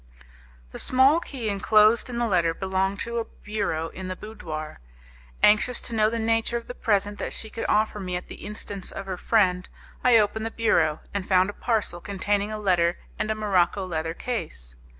The small key enclosed in the letter belonged to a bureau in the boudoir. Anxious to know the nature of the present that she could offer me at the instance of her friend, I opened the bureau, and found a parcel containing a letter and a morocco leather case.